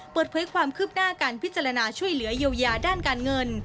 เปิดเผยความคืบหน้าการพิจารณาช่วยเหลือเยียวยาด้านการเงิน